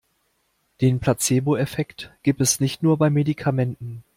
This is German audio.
Den Placeboeffekt gibt es nicht nur bei Medikamenten.